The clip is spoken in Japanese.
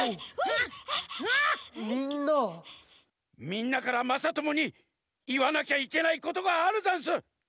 みんなからまさともにいわなきゃいけないことがあるざんす。